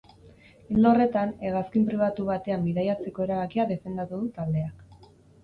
Ildo horretan, hegazkin pribatu batean bidaiatzeko erabakia defendatu du taldeak.